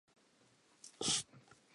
O mathile ho fihlela a fihla hae.